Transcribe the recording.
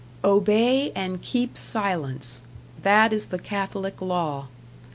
Obey and keep silence: that is the Catholic law.